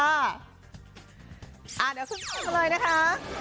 อ่าเดี๋ยวขึ้นไปกันเลยนะคะ